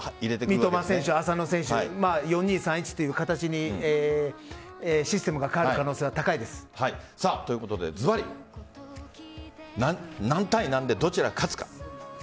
三笘選手、浅野選手４−２−３−１という形にシステムが変わる可能性が高いです。ということでズバリ２対１です。